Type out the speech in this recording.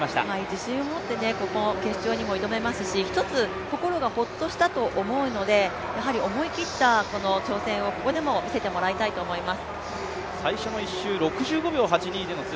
自信を持って、決勝に臨めますしひとつ心がホッとしたと思うので、思い切った挑戦をここでも見せてもらいたいと思います。